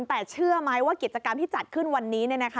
แต่เชื่อไหมว่ากิจกรรมที่จัดขึ้นวันนี้